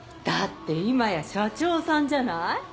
だって今や社長さんじゃない！